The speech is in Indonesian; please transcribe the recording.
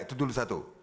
itu dulu satu